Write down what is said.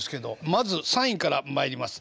まず３位から参ります。